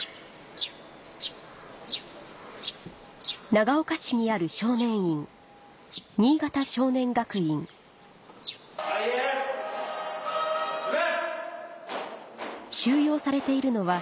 長岡市にある少年院前へ進め！